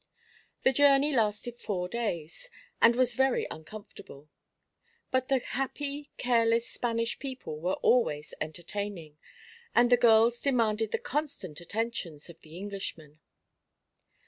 The journey lasted four days, and was very uncomfortable; but the happy careless Spanish people were always entertaining, and the girls demanded the constant attentions of the Englishman.